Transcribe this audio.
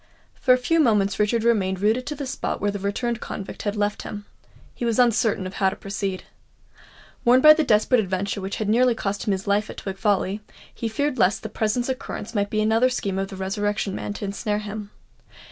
For a few moments Richard remained rooted to the spot where the returned convict had left him. He was uncertain how to proceed. Warned by the desperate adventure which had nearly cost him his life at Twig Folly, he feared lest the present occurrence might be another scheme of the Resurrection Man to ensnare him.